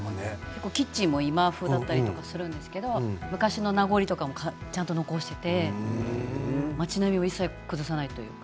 キッチンも今風だったりするんですけど昔の名残をちゃんと残していて町並みも一切崩さないというか。